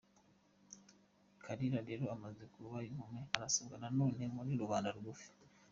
Kalira rero amaze kuba inkumi arasabwa na none muri rubanda rugufi.